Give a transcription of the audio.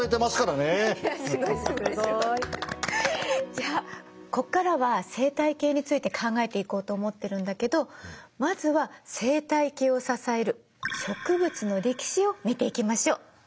じゃあここからは生態系について考えていこうと思ってるんだけどまずは生態系を支える植物の歴史を見ていきましょ。